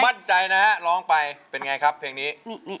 มั่นใจนะฮะร้องไปเป็นไงครับเพลงนี้